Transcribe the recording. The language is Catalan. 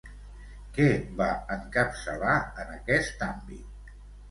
Què va encapçalar en aquest àmbit?